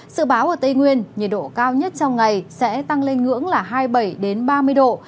sự báo ở tây nguyên nhiệt độ cao nhất trong ngày sẽ tăng lên ngưỡng là hai mươi bảy ba mươi độ